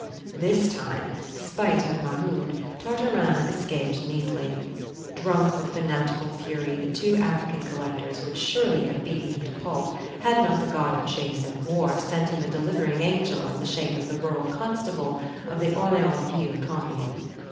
This time, spite of Mahound, Tartarin escaped neatly. Drunk with fanatical fury, the two African collectors would have surely beaten him to pulp had not the god of chase and war sent him a delivering angel in the shape of the rural constable of the Orleansville commune.